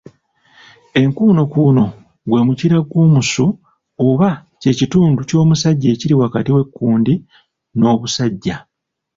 Enkuunokuuno gwe mukira gw’omusu oba kye kitundu ky’omusajja ekiri wakati w’ekkundi n’obusajja.